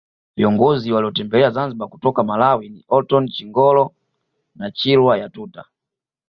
Viongozi walotembelea Zanzibar kutoka Malawi ni Orton Chingolo na Chirwa Yatuta